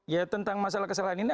ya tentang masalah kesalahan ini